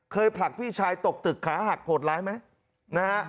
เคยผลักพี่ชายตกตึกขาหักโตร้ายไหม